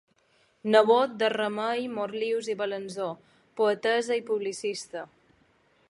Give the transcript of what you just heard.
Nebot de Remei Morlius i Balanzó, poetessa i publicista.